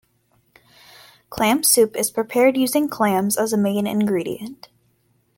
Clam soup is prepared using clams as a main ingredient.